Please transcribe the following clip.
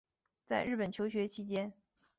在日本求学期间